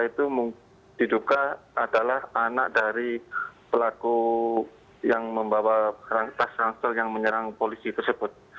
itu diduka adalah anak dari pelaku yang membawa pas rangsel yang menyerang polisi tersebut